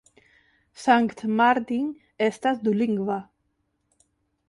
Sankt Martin estas dulingva.